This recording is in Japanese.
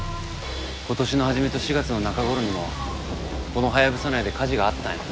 今年の初めと４月の中頃にもこのハヤブサ内で火事があったんや。